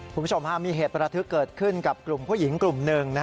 คุณผู้ชมมีเหตุประทึกเกิดขึ้นกับกลุ่มผู้หญิงกลุ่มหนึ่ง